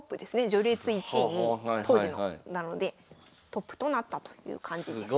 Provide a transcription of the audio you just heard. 序列１位２位当時のなのでトップとなったという感じです。